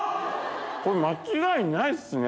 これ間違いないっすね！